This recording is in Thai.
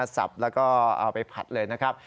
สับแล้วก็เอาไปผัดเลยนะครับ